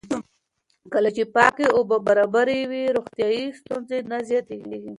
کله چې پاکې اوبه برابرې وي، روغتیایي ستونزې نه زیاتېږي.